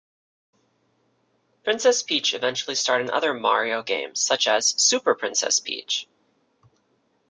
Princess Peach eventually starred in other "Mario" games such as "Super Princess Peach".